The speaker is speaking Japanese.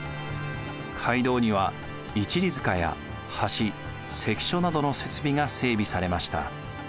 街道には一里塚や橋関所などの設備が整備されました。